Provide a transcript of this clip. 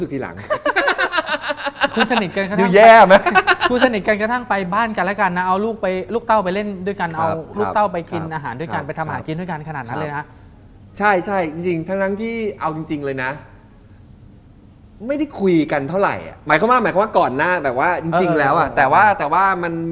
ทีนี้ได้รางวัล